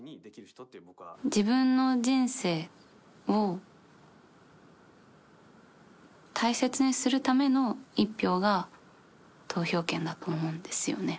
自分の人生を大切にするための一票が、投票権だと思うんですよね。